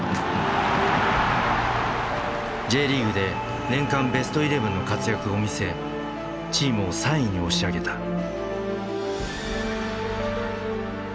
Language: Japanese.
Ｊリーグで年間ベストイレブンの活躍を見せチームを３位に押し上げた。